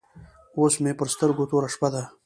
اوس مې پر سترګو توره شپه ده.